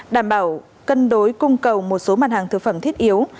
đảm bảo cân đối cung cầu một số mặt hàng thực phẩm thiết yếu